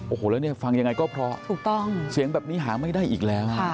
โอ้โหแล้วเนี่ยฟังยังไงก็เพราะถูกต้องเสียงแบบนี้หาไม่ได้อีกแล้ว